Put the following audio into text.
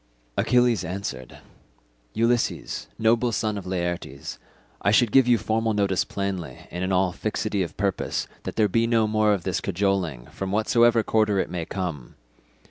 Achilles answered, "Ulysses, noble son of Laertes, I should give you formal notice plainly and in all fixity of purpose that there be no more of this cajoling, from whatsoever quarter it may come.